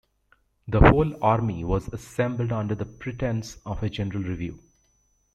The whole army was assembled under the pretence of a general review.